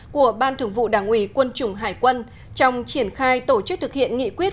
của ban thường vụ đảng ủy quân chủng hải quân trong triển khai tổ chức thực hiện nghị quyết